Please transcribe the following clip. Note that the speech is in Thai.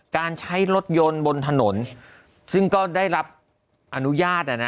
การใช้รถยนต์บนถนนซึ่งก็ได้รับอนุญาต